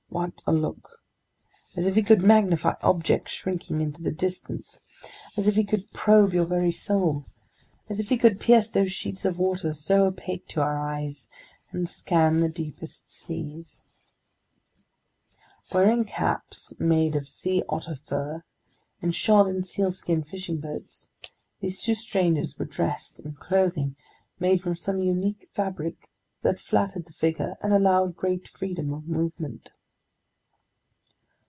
What a look—as if he could magnify objects shrinking into the distance; as if he could probe your very soul; as if he could pierce those sheets of water so opaque to our eyes and scan the deepest seas ...! Wearing caps made of sea otter fur, and shod in sealskin fishing boots, these two strangers were dressed in clothing made from some unique fabric that flattered the figure and allowed great freedom of movement.